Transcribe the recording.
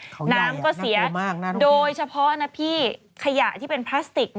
ขาไหวน่ากลัวมากน่าโน้มเลี้ยวโดยเฉพาะนะพี่ขยะที่เป็นพลาสติก